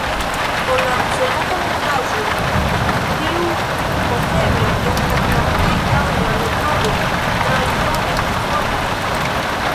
Por la celata mesaĝo tio supozeble estas la plej taŭga metodo transdoni informojn.